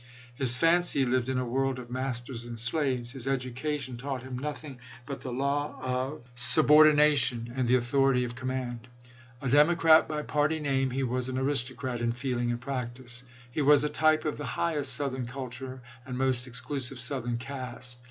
His fancy lived in a world of masters and slaves. His education taught him nothing but the law of sub John tvli;k. THE MONTGOMERY CONFEDERACY 209 ordination and the authority of command. A chap. xiii. Democrat by party name, he was an aristocrat in feeling and practice. He was a type of the highest Southern culture and most exclusive Southern caste.